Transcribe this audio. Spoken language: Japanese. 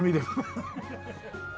ハハハッ。